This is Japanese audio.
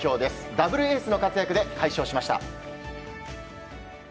ダブルエースの活躍で快勝しました。